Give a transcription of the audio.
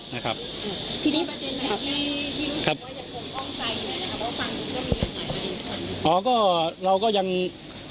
มีประเด็นไหนที่จะผมอ้องใจอย่างเช่นตอนนี้